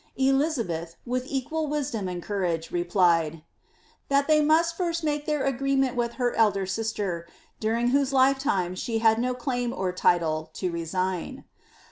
Elizabeth, with equal wisdom and courage, replied, that they must first make their agreement with her elder sis ter, during whose lifetime she had no claim or title, to resign."